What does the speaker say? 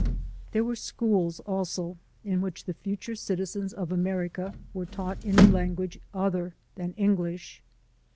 There were schools also in which the future citizens of America were taught in a language other than English.